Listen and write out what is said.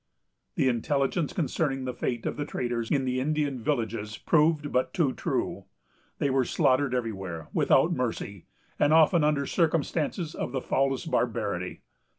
The intelligence concerning the fate of the traders in the Indian villages proved but too true. They were slaughtered everywhere, without mercy, and often under circumstances of the foulest barbarity.